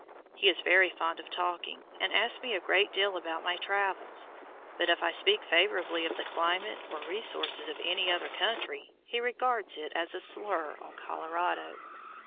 He is very fond of talking, and asks me a great deal about my travels, but if I speak favorably of the climate or resources of any other country, he regards it as a slur on Colorado.